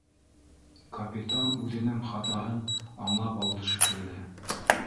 Капитан үҙенең хатаһын аңлап алды шикелле